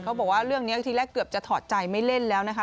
เขาบอกว่าเรื่องนี้ทีแรกเกือบจะถอดใจไม่เล่นแล้วนะคะ